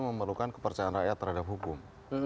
memerlukan kepercayaan rakyat terhadap hukum